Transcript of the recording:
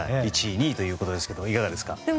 １位、２位ということですがいかがですか？